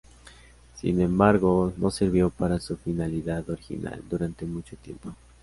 Sin embargo, no sirvió para su finalidad original durante mucho tiempo.